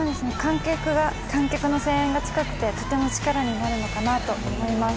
観客の声援が近くてとても力になるのかなと思います。